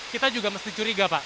kita juga mesti curiga pak